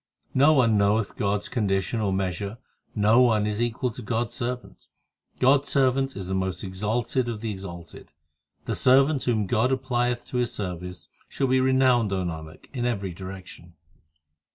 No one knoweth God s condition or measure No one is equal to God s servant ; God s servant is the most exalted of the exalted. The servant whom God applieth to His service, Shall be renowned, O Nanak, in every direction.